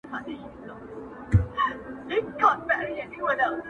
هېرول نه سي کولای انسانان،